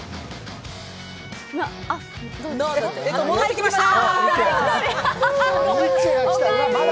戻ってきました！